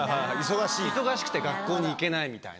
忙しくて学校に行けないみたいな。